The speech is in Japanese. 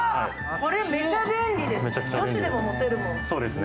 これ、めちゃ便利ですね。